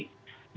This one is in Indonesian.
jadi resiko apa